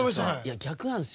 逆なんですよ。